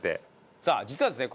さあ実はですね